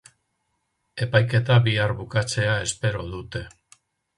Epaiketa bihar bukatzea espero dute.